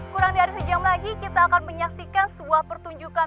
kurang dari sejam lagi kita akan menyaksikan sebuah pertunjukan